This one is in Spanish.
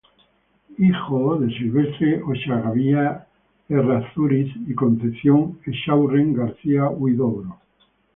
Hijo de Silvestre Ochagavía Errázuriz y Concepción Echaurren García-Huidobro.